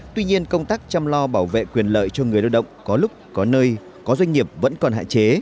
tuy nhiên công tác chăm lo bảo vệ quyền lợi cho người lao động có lúc có nơi có doanh nghiệp vẫn còn hạn chế